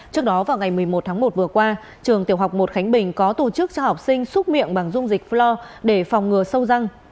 trước đó vào ngày một mươi một tháng một vừa qua trường tiểu học một khánh bình có tổ chức cho học sinh xúc miệng bằng dung dịch floor để phòng ngừa sâu răng